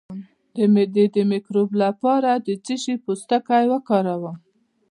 د معدې د مکروب لپاره د څه شي پوستکی وکاروم؟